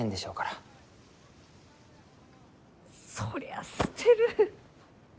そりゃあ捨てる！